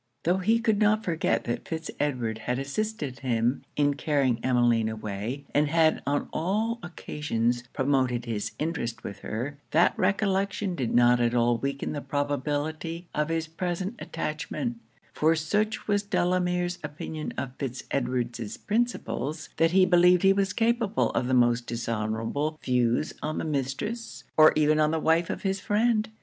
Tho' he could not forget that Fitz Edward had assisted him in carrying Emmeline away, and had on all occasions promoted his interest with her, that recollection did not at all weaken the probability of his present attachment; for such was Delamere's opinion of Fitz Edward's principles, that he believed he was capable of the most dishonourable views on the mistress, or even on the wife of his friend.